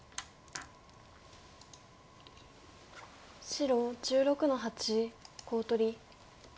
白１６の八コウ取り。